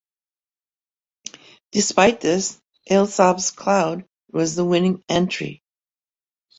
Despite this, Alsop's 'Cloud' was the winning entry.